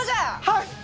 はい！